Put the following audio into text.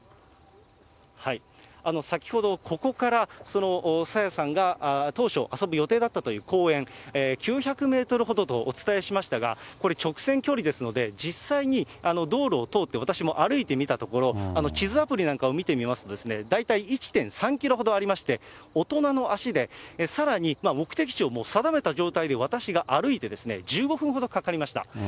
先ほど、ここから朝芽さんが当初遊ぶ予定だったという公園、９００メートルほどとお伝えしましたが、これ、直線距離ですので、実際に道路を通って私も歩いてみたところ、地図アプリなんかを見てみますと、大体１．３キロほどありまして、大人の足でさらに目的地を定めた状態で私が歩いて１５分ほどかかりました。